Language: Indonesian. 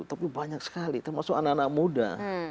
tapi banyak sekali termasuk anak anak muda